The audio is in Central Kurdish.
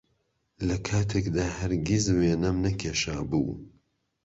لەکاتێکدا هەرگیز وێنەم نەکێشابوو